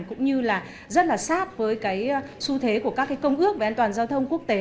cũng như là rất là sát với cái xu thế của các cái công ước về an toàn giao thông quốc tế